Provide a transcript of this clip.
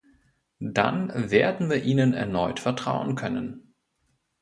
Dann werden wir ihnen erneut vertrauen können.